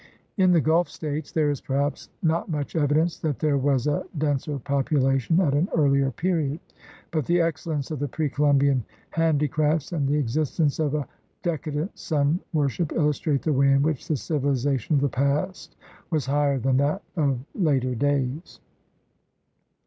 In the THE RED MAN IN AMERICA 169 Gulf States there is perhaps not much evidence that there was a denser population at an earlier period, but the excellence of the pre Columbian handi crafts and the existence of a decadent sun worship illustrate the way in which the civilization of the past was higher than that of later days.